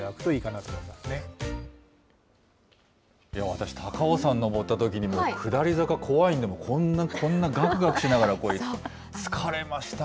私、高尾山登ったときに、下り坂怖いんで、こんな、こんながくがくしながら、こうやって、疲れました。